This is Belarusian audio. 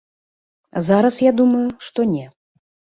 Зараз я думаю, што не.